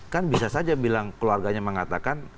kan bisa saja bilang keluarganya mengatakan